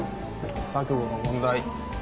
錯誤の問題。